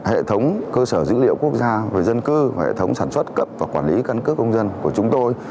hệ thống cơ sở dữ liệu quốc gia về dân cư và hệ thống sản xuất cấp và quản lý căn cước công dân của chúng tôi